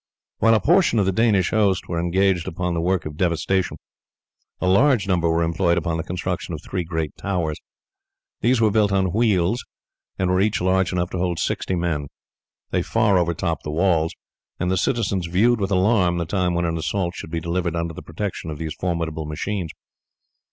While a portion of the Danish host were engaged upon the work of devastation, a large number were employed upon the construction of three great towers. These were built on wheels, and were each large enough to hold sixty men. They far overtopped the walls, and the citizens viewed with alarm the time when an assault should be delivered under the protection of these formidable machines.